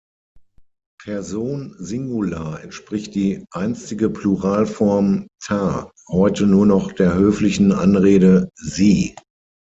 Person Singular entspricht die einstige Pluralform "ta" heute nur noch der höflichen Anrede „Sie“.